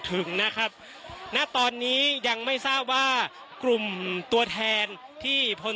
ถึงนะครับณตอนนี้ยังไม่ทราบว่ากลุ่มตัวแทนที่พล